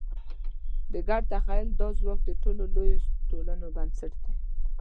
د ګډ تخیل دا ځواک د ټولو لویو ټولنو بنسټ دی.